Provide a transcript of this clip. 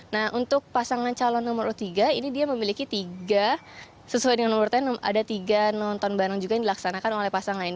nah untuk pasangan calon nomor tiga ini dia memiliki tiga sesuai dengan nomor lain ada tiga nonton bareng juga yang dilaksanakan oleh pasangan ini